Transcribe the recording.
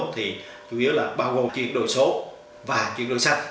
thì chủ yếu là bao gồm chuyển đổi số và chuyển đổi sách